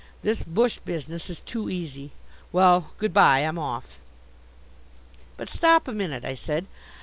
This bush business is too easy. Well, good bye; I'm off." "But stop a minute," I said.